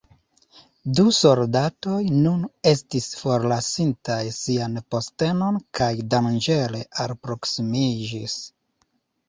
Du soldatoj nun estis forlasintaj sian postenon kaj danĝere alproksimiĝis.